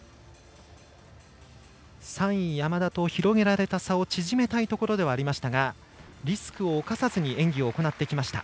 ３位、山田と広げられた差を縮めたいところではありましたがリスクを冒さずに演技を行ってきました。